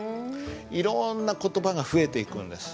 いろんな言葉が増えていくんです。